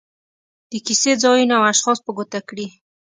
د کیسې ځایونه او اشخاص په ګوته کړي.